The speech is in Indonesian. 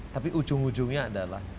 tapi ujung ujungnya adalah